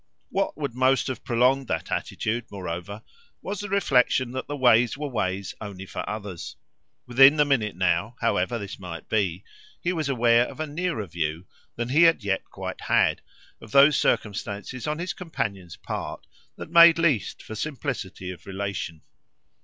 What would most have prolonged that attitude, moreover, was the reflexion that the ways were ways only for others. Within the minute now however this might be he was aware of a nearer view than he had yet quite had of those circumstances on his companion's part that made least for simplicity of relation.